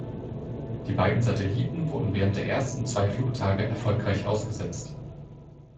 Die beiden Satelliten wurden während der ersten zwei Flugtage erfolgreich ausgesetzt.